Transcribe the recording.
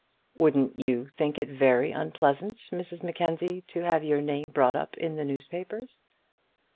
"Wouldn't you think it very unpleasant, Mrs Mackenzie, to have your name brought up in the newspapers?"